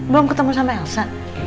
belum ketemu sama elsa